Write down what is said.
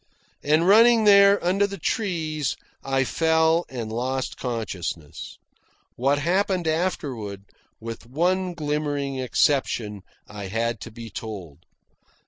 And running there under the trees, I fell and lost consciousness. What happened afterward, with one glimmering exception, I had to be told.